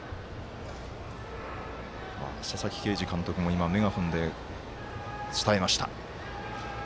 佐々木啓司監督もメガホンで伝えました。